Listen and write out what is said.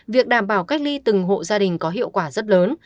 việc đảm bảo cách ly từng hộ gia đình có hiệu quả rất lớn